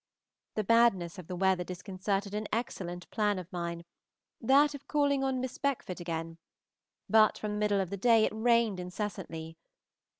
The badness of the weather disconcerted an excellent plan of mine, that of calling on Miss Beckford again; but from the middle of the day it rained incessantly.